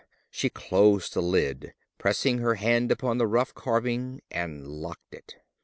She closed the lid, pressing her hand upon the rough carving, and locked it.